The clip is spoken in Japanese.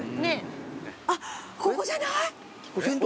あっここじゃない？